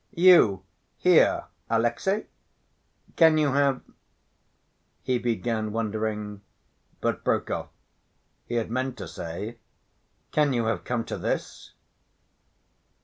"You here, Alexey? Can you have—" he began wondering but broke off. He had meant to say, "Can you have come to this?"